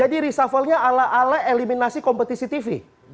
jadi reshuffle nya ala ala eliminasi kompetisi tv